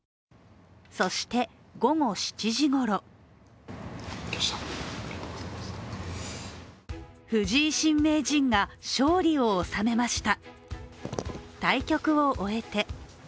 そして、午後７時ごろ藤井新名人が勝利を収めました。